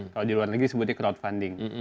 kalau di luar negeri sebutnya crowdfunding